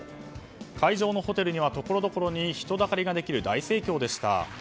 会場のホテルにはところどころに人だかりができる大盛況でした。